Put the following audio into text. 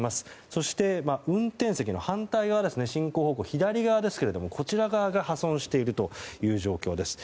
そして、運転席の反対側進行方向、左側ですけどこちら側が破損しているという状況です。